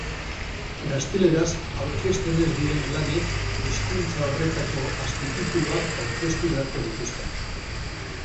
Gazteleraz aurkezten ez diren lanek hizkuntza horretako azpitituluak aurkeztu beharko dituzte.